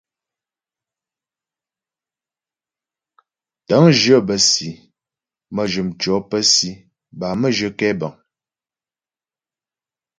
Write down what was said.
Tə̂ŋjyə bə́ si, mə́jyə mtʉɔ̌ pə́ si bâ mə́jyə kɛbəŋ.